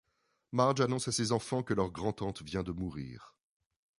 Marge annonce à ses enfants que leur grand-tante vient de mourir.